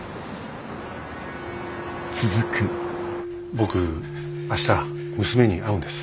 僕明日娘に会うんです。